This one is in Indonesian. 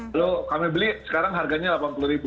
lalu kami beli sekarang harganya rp delapan puluh